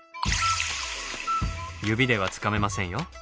指ではつかめませんよ。